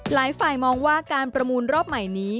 หลายฝ่ายมองว่าการประมูลรอบใหม่นี้